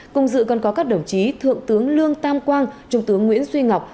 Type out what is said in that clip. cùng dự còn có các đồng chí thượng tướng lương tam quang trung tướng nguyễn duy ngọc